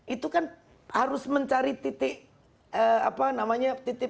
itu kan harus mencari titik ekonomi